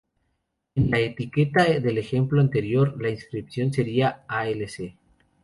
En la etiqueta del ejemplo anterior la inscripción sería: "alc.